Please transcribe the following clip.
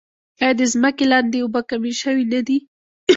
آیا د ځمکې لاندې اوبه کمې شوې نه دي؟